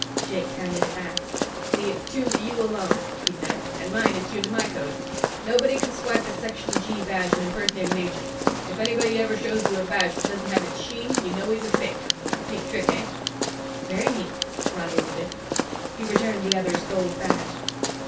Jakes handed it back. "See, it's tuned to you alone," he said. "And mine is tuned to my code. Nobody can swipe a Section G badge and impersonate an agent. If anybody ever shows you a badge that doesn't have its sheen, you know he's a fake. Neat trick, eh?" "Very neat," Ronny admitted. He returned the other's gold badge.